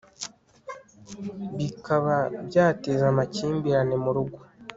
bikaba byateza amakimbirane mu rugo